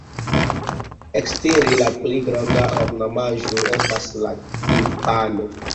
Ekstere la plej granda ornamaĵo estas la timpano.